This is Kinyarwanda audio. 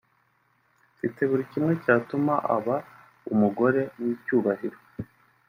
mfite buri kimwe cyatuma aba umugore w’icyubahiro